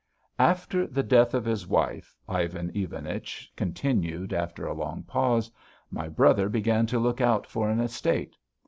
"After the death of his wife," Ivan Ivanich continued, after a long pause, "my brother began to look out for an estate.